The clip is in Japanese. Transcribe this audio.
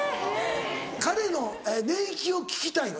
彼の寝息を聞きたいの？